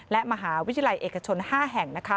และมหาวิทยาลัยเอกชน๕แห่ง